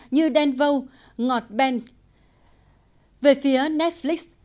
như dan vâu ngọt benk về phía netflix